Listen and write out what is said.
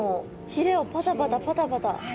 ひれをパタパタパタパタ。